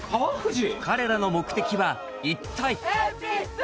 彼らの目的は一体？